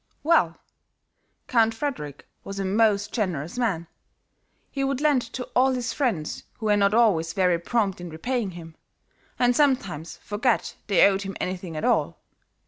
"Well, Count Frederick was a most generous man; he would lend to all his friends who were not always very prompt in repaying him, and sometimes forget they owed him anything at all.